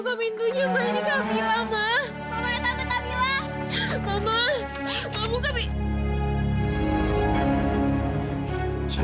ya udah kalau gitu ibu duluan ya